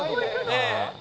ええ。